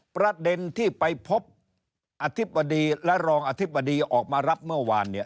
ประเด็นที่ไปพบอธิบดีและรองอธิบดีออกมารับเมื่อวานเนี่ย